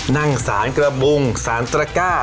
นั่งศาลเกลบุงศาลตระก้า